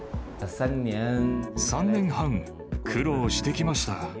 ３年半、苦労してきました。